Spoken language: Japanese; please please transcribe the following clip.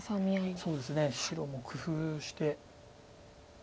そうですね白も工夫して。